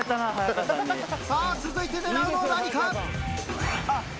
さぁ続いて狙うのは何か？